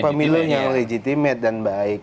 pemilu yang legitimate dan baik